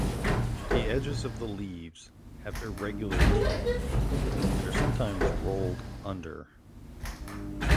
The edges of the leaves have irregular teeth and are sometimes rolled under.